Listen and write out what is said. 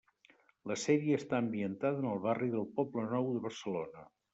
La sèrie està ambientada en el barri del Poblenou de Barcelona.